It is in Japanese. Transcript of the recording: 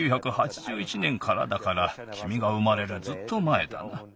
１９８１年からだからきみが生まれるずっとまえだな。